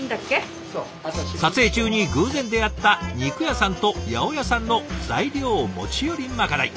撮影中に偶然出会った肉屋さんと八百屋さんの材料持ち寄りまかない。